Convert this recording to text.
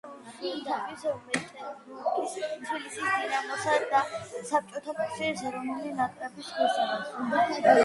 იცავდა რუსთავის „მეტალურგის“, თბილისის „დინამოსა“ და საბჭოთა კავშირის ეროვნული ნაკრების ღირსებას.